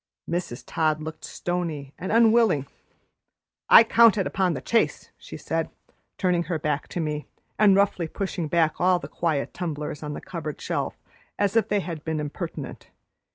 Mrs. Todd looked stony and unwilling. "I counted upon the chaise," she said, turning her back to me, and roughly pushing back all the quiet tumblers on the cupboard shelf as if they had been impertinent.